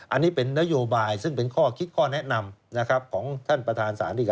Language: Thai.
อันนี้เป็นนโยบายซึ่งเป็นข้อคิดข้อแนะนำนะครับของท่านประธานศาลดีกา